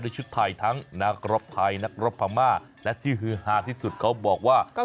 ชุดไทยทั้งนักรบไทยนักรบพม่าและที่ฮือฮาที่สุดเขาบอกว่า